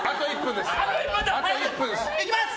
いきます！